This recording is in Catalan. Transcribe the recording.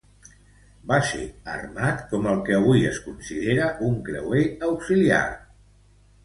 Va ser armat com el que avui es considera un creuer auxiliar.